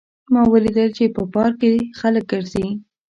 ما ولیدل چې په پارک کې خلک ګرځي